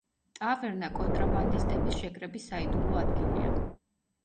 ტავერნა კონტრაბანდისტების შეკრების საიდუმლო ადგილია.